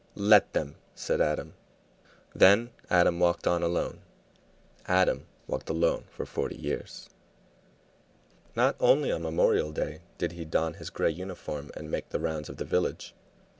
"Let them!" said Adam. Then Adam walked on alone. Adam walked alone for forty years. Not only on Memorial Day did he don his gray uniform and make the rounds of the village.